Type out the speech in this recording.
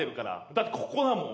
だってここだもん。